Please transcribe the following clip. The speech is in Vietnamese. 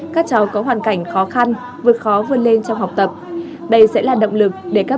các cháu có hoàn cảnh khó khăn vượt khó vươn lên trong học tập